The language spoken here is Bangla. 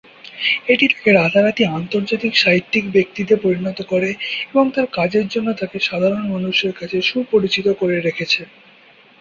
এটা তাকে রাতারাতি আন্তর্জাতিক সাহিত্যিক ব্যক্তিতে পরিণত করে, এবং তার কাজের জন্য তাকে সাধারণ মানুষের কাছে সুপরিচিত করে রেখেছে।